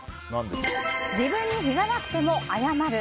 自分に非がなくても謝る！